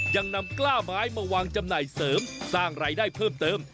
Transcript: ยังนำกล้าไม้มาวางจำหน่ายเสริมสร้างรายได้เพิ่มเติม